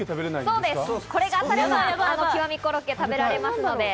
これが当たれば極コロッケが食べられますので。